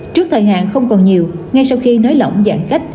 trước thời hạn không còn nhiều ngay sau khi nới lỏng giãn cách